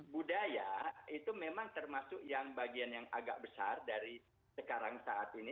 budaya itu memang termasuk yang bagian yang agak besar dari sekarang saat ini